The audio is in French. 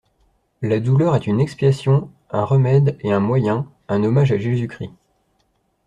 La douleur est une expiation, un remède et un moyen, un hommage à Jésus-Christ.